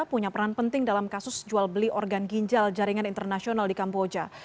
punya peran penting dalam kasus jual beli organ ginjal jaringan internasional di kamboja